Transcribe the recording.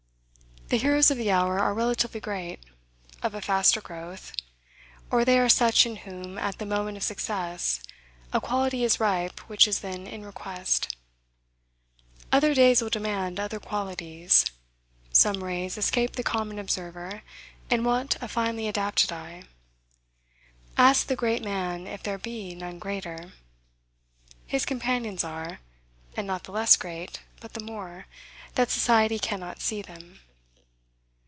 The heroes of the hour are relatively great: of a faster growth; or they are such, in whom, at the moment of success, a quality is ripe which is then in request. Other days will demand other qualities. Some rays escape the common observer, and want a finely adapted eye. Ask the great man if there be none greater. His companions are; and not the less great, but the more, that society cannot see them.